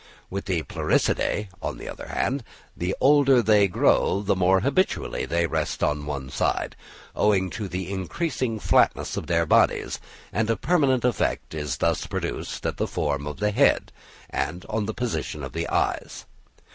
With the Pleuronectidæ, on the other hand, the older they grow the more habitually they rest on one side, owing to the increasing flatness of their bodies, and a permanent effect is thus produced on the form of the head, and on the position of the eyes.